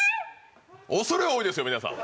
恐れ多いですよ皆さん。